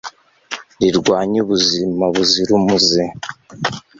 rirwanya ubuzima buzira umuze